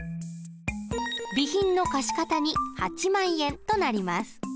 備品の貸方に８万円となります。